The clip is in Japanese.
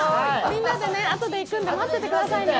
みんなであとで行くんで待っててくださいね。